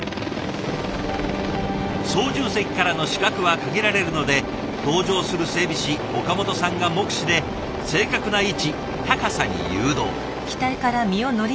操縦席からの視覚は限られるので同乗する整備士岡本さんが目視で正確な位置高さに誘導。